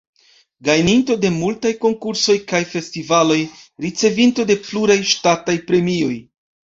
Gajninto de multaj konkursoj kaj festivaloj, ricevinto de pluraj ŝtataj premioj.